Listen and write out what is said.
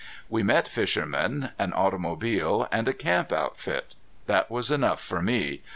We met fishermen, an automobile, and a camp outfit. That was enough for me.